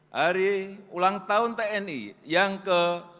hari ulang tahun tni yang ke tujuh puluh